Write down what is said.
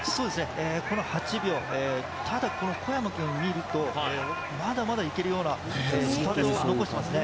この８秒、ただ小山君を見るとまだまだいけるような、残していますね。